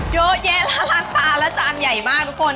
โยเอเยหลาหลังศาลอาจารย์ใหญ่มากทุกคน